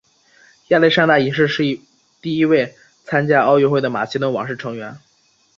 亚历山大一世是第一位参加奥运会的马其顿王室成员。